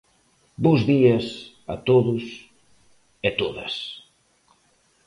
Bos días a todos e todas.